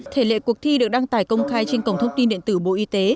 thể lệ cuộc thi được đăng tải công khai trên cổng thông tin điện tử bộ y tế